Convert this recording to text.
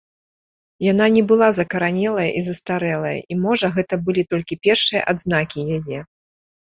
Яна не была закаранелая і застарэлая, і можа гэта былі толькі першыя адзнакі яе.